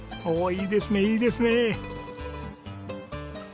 いいですねいいですね。